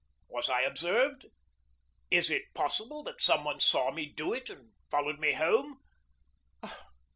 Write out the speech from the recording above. Was I observed? Is it possible that some one saw me do it and followed me home?